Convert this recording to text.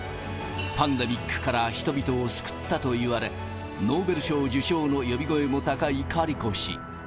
パンデミックから人々を救ったといわれ、ノーベル賞受賞の呼び声も高いカリコ氏。